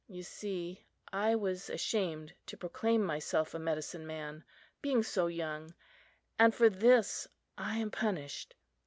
You see, I was ashamed to proclaim myself a medicine man, being so young; and for this I am punished.